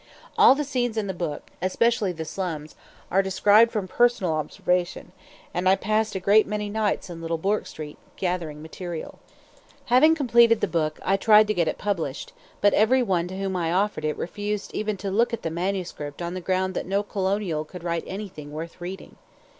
All the scenes in the book, especially the slums, are described from personal observation; and I passed a great many nights in Little Bourke Street, gathering material. Having completed the book, I tried to get it published, but every one to whom I offered it refused even to look at the manuscript on the ground that no Colonial could write anything worth reading.